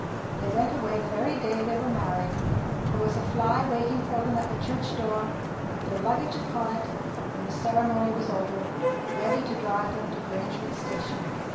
They went away the very day they were married. There was a fly waiting for them at the church door, with their luggage upon it, when the ceremony was over, ready to drive them to Grangewick station.